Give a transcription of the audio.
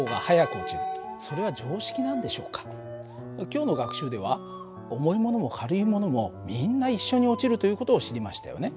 今日の学習では重いものも軽いものもみんな一緒に落ちるという事を知りましたよね。